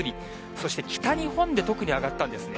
そして北日本で特に上がったんですね。